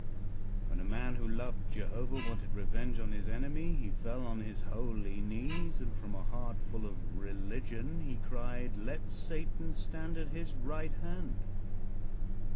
When a man who loved Jehovah wanted revenge on his enemy he fell on his holy knees, and from a heart full of religion he cried: "Let Satan stand at his right hand."